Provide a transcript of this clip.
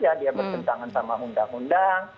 ya dia bertentangan sama undang undang